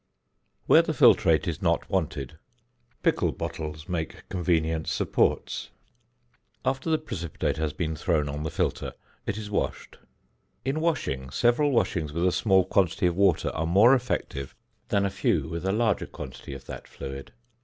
Where the filtrate is not wanted, pickle bottles make convenient supports. After the precipitate has been thrown on the filter, it is washed. In washing, several washings with a small quantity of water are more effective than a few with a larger quantity of that fluid.